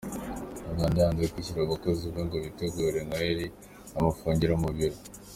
Uganda Yanze kwishyura abakozi be ngo bitegure Noheli bamufungira mu biro